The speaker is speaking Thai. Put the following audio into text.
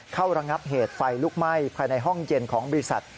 ระงับเหตุไฟลุกไหม้ภายในห้องเย็นของบริษัท